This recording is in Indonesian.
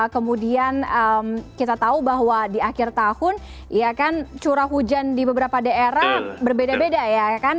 kemudian kita tahu bahwa di akhir tahun ya kan curah hujan di beberapa daerah berbeda beda ya kan